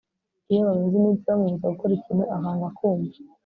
iyo bamaze iminsi bamubuza gukora ikintu akanga kumva